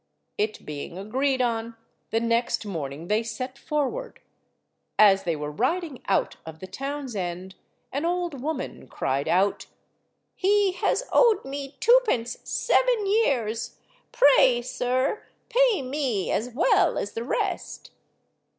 It being agreed on, the next morning they set forward. As they were riding out of the town's end, an old woman cried out— "He has owed me twopence seven years, pray, sir, pay me as well as the rest."